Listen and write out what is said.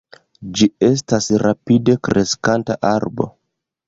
Ĝi estas rapide kreskanta arbo.